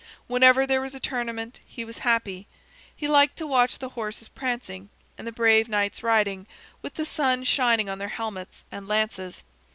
Whenever there was a tournament he was happy. He liked to watch the horses prancing, and the brave knights riding, with the sun shining on their helmets and lances.